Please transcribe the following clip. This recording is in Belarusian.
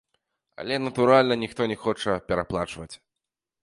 Але, натуральна, ніхто не хоча пераплачваць.